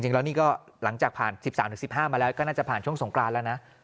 จริงแล้วนี่ก็หลังจากผ่าน๑๓๑๕มาแล้วก็น่าจะผ่านช่วงสงกรานแล้วนะ